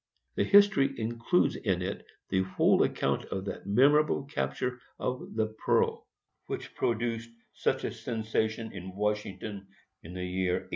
The history includes in it the whole account of that memorable capture of the Pearl, which produced such a sensation in Washington in the year 1848.